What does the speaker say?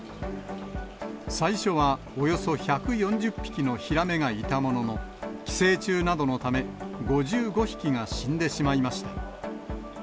最初はおよそ１４０匹のヒラメがいたものの、寄生虫などのため、５５匹が死んでしまいました。